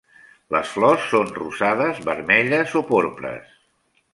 Les flors són rosades, vermelles o porpres.